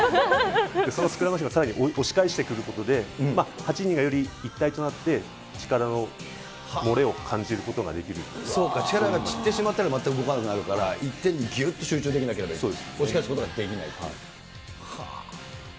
そのスクラムマシンがさらに押し返してくることで、８人がより一体となって、そうか、力が散ってしまったら全く動かなくなるから、一点にぎゅっと集中できなければいけない。